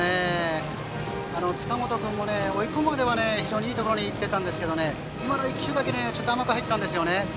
塚本君も追い込むまでは非常にいいところに行ってたんですけど今の１球だけ甘く入ったんですね。